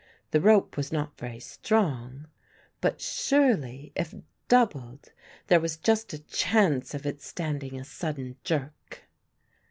The rope was not very strong; but surely, if doubled, there was just a chance of its standing a sudden jerk.